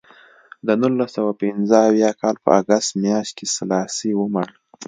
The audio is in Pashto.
د نولس سوه پنځه اویا کال په اګست میاشت کې سلاسي ومړ.